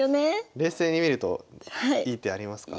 冷静に見るといい手ありますか？